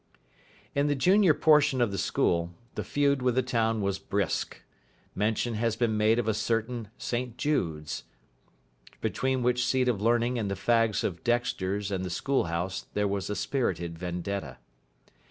In the junior portion of the school the feud with the town was brisk. Mention has been made of a certain St Jude's, between which seat of learning and the fags of Dexter's and the School House there was a spirited vendetta.